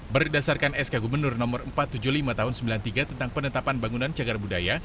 berdasarkan sk gubernur no empat ratus tujuh puluh lima tahun seribu sembilan ratus sembilan puluh tiga tentang penetapan bangunan cagar budaya